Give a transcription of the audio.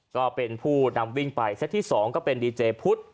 ก็เป็นผู้นำวิ่งไปเซตที่๒ก็เป็นดีเจพุทธ